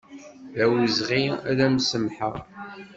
D awezɣi ad m-samḥeɣ.